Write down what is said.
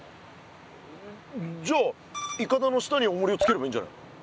じゃあいかだの下におもりをつければいいんじゃないの。